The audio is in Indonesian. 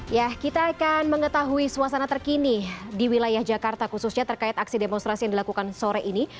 ya kita akan mengetahui suasana terkini di wilayah jakarta khususnya terkait aksi demonstrasi yang dilakukan sore ini